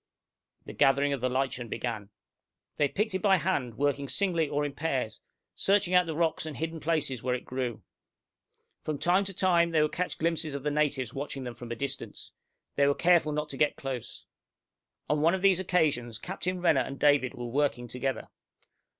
The gathering of the lichen began. They picked it by hand, working singly or in pairs, searching out the rocks and hidden places where it grew. From time to time they would catch glimpses of the natives watching them from a distance. They were careful not to get close. On one of these occasions, Captain Renner and David were working together.